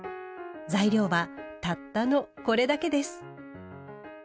材料はたったのこれだけです。